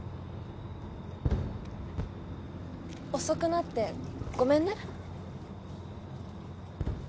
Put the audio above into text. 遅くなってごめんね